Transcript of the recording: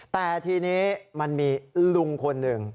แต่ทีนี้มันมีลุงคนหนึ่ง